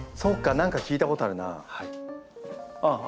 何か聞いたことあるな。